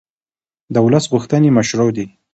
د ولس غوښتنې مشروع دي